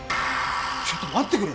ちょっと待ってくれ！